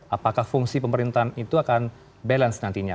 apakah fungsi pemerintahan itu akan balance nantinya